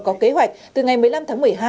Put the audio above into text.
có kế hoạch từ ngày một mươi năm tháng một mươi hai